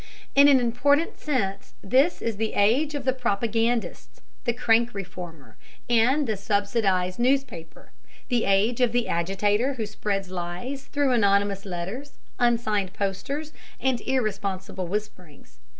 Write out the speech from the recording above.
In an important sense, this is the age of the propagandist, the crank reformer, and the subsidized newspaper, the age of the agitator who spreads lies through anonymous letters, unsigned posters, and irresponsible whisperings.